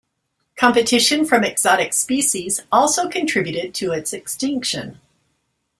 Competition from exotic species also contributed to its extinction.